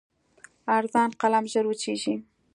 ارزان قلم ژر وچېږي.